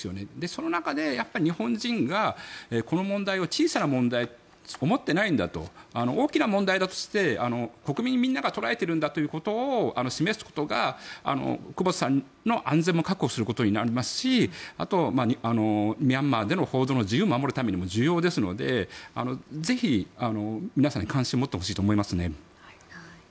その中で日本人がこの問題を小さな問題と思ってないんだと大きな問題だと国民みんなが捉えているんだと示すことが、久保田さんの安全を確保することになりますしあと、ミャンマーでの報道の自由を守るためにも重要ですのでぜひ、皆さんに関心を持ってほしいと思いますね。